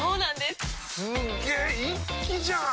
すげ一気じゃん！